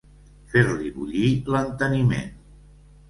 Fer-li bullir l'enteniment.